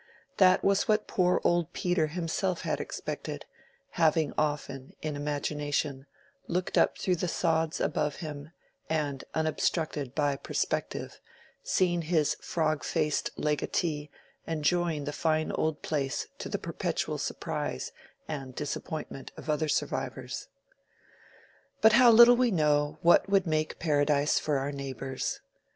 That was what poor old Peter himself had expected; having often, in imagination, looked up through the sods above him, and, unobstructed by perspective, seen his frog faced legatee enjoying the fine old place to the perpetual surprise and disappointment of other survivors. But how little we know what would make paradise for our neighbors!